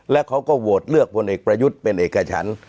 แล้วเขาก็โหวตเลือกพลเอกประยุทธ์เป็นเอกฉัน